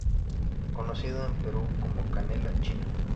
Conocido en el Perú como Canela China.